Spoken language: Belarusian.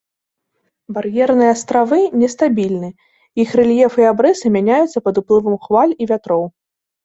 Бар'ерныя астравы не стабільны, іх рэльеф і абрысы мяняюцца пад уплывам хваль і вятроў.